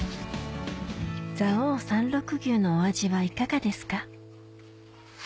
蔵王山麓牛のお味はいかがですか？